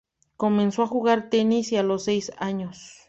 Comenzó a jugar tenis a los seis años.